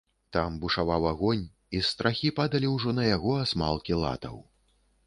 Там бушаваў агонь, і з страхі падалі ўжо на яго асмалкі латаў.